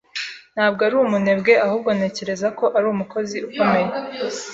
Ntabwo ari umunebwe. Ahubwo, ntekereza ko ari umukozi ukomeye.